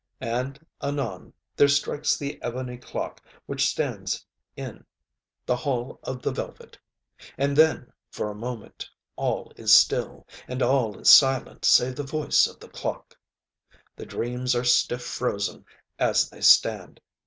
And, anon, there strikes the ebony clock which stands in the hall of the velvet. And then, for a moment, all is still, and all is silent save the voice of the clock. The dreams are stiff frozen as they stand.